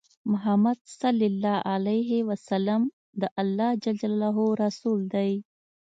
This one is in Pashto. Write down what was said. محمد صلی الله عليه وسلم د الله جل جلاله رسول دی۔